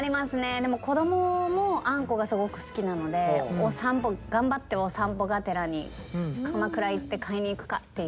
でも子供もあんこがすごく好きなのでお散歩頑張ってお散歩がてらに鎌倉行って買いに行くかっていう。